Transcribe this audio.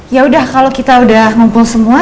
ya udah kalau kita udah ngumpul semua